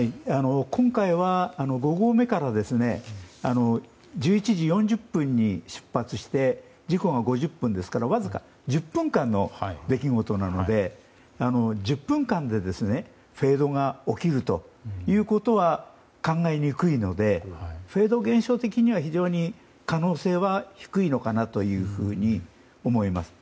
今回は５合目から１１時４０分に出発して事故が５０分ですからわずか１０分間の出来事なので１０分間でフェードが起きるということは考えにくいのでフェード現象的には、非常に可能性は低いのかなと思います。